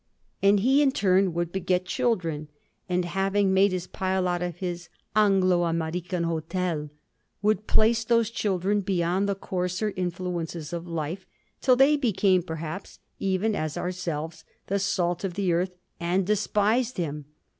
And he, in turn, would beget children, and having made his pile out of his 'Anglo American hotel' would place those children beyond the coarser influences of life, till they became, perhaps, even as our selves, the salt of the earth, and despised him.